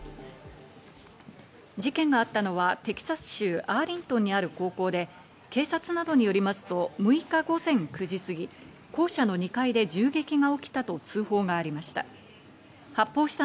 事件があったのはテキサス州アーリントンにある高校で警察などによりますと、６日午前９時過ぎ、校舎の２階で銃撃が起きたと通報がありました。